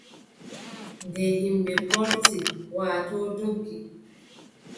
Nde yimɓe poorti, waatoo doggi,